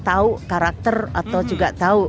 tahu karakter atau juga tahu